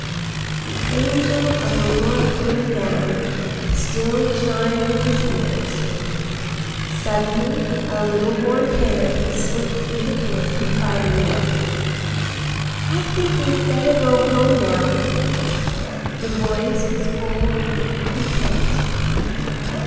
"The angel of the Lord came down," still chimed in his ears. Suddenly a little warm hand was slipped into his confidingly. "I think we'd better go home now." The voice was full of deep content.